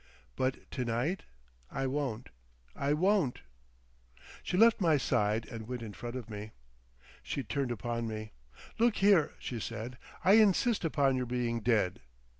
But to night—I won't—I won't." She left my side and went in front of me. She turned upon me. "Look here," she said, "I insist upon your being dead.